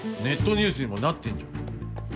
ニュースにもなってんじゃん。